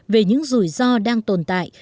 về những rủi ro đang tồn tại